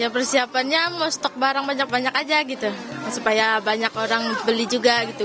persiapannya mau stok barang banyak banyak aja gitu supaya banyak orang beli juga gitu